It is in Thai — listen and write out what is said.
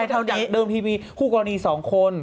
แทนจากเดิมทีพี่มีคู่กรณีสองคน